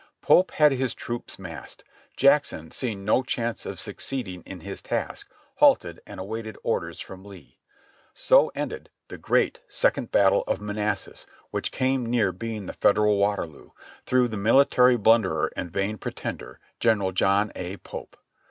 Pope had his troops massed. Jackson, seeing no chance of succeeding in his task, halted and awaited orders from Lee. So ended the great "Second Battle of Manassas," which came near being the Federal Waterloo, through the military blunderer and vain pretender, General John A. Pope.